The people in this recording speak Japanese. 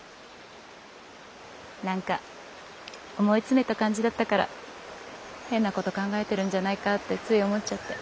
何か思い詰めた感じだったから変なこと考えてるんじゃないかってつい思っちゃって。